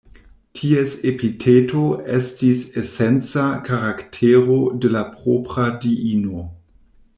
Ties epiteto estis esenca karaktero de la propra diino.